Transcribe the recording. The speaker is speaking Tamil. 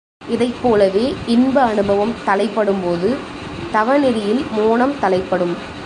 இதைப் போலவே, இன்ப அநுபவம் தலைப்படும்போது தவ நெறியில் மோனம் தலைப்படும்.